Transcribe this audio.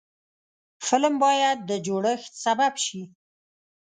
فلم باید د جوړښت سبب شي